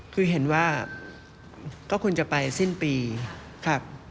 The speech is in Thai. คือเห็นว่าก็ควรจะไปสิ้นปีครับ